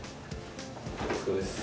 お疲れっす。